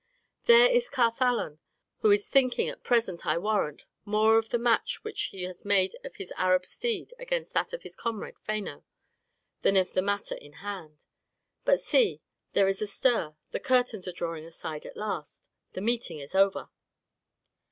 There is Carthalon, who is thinking at present, I warrant, more of the match which he has made of his Arab steed against that of his comrade Phano, than of the matter in hand. But see, there is a stir, the curtains are drawing aside at last, the meeting is over."